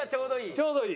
ちょうどいい。